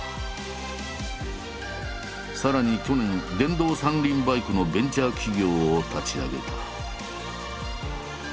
さらに去年電動三輪バイクのベンチャー企業を立ち上げた。